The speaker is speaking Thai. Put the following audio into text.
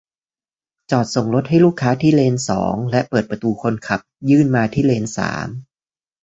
จอดส่งรถให้ลูกค้าที่เลนสอง และเปิดประตูคนขับยื่นมาที่เลนสาม !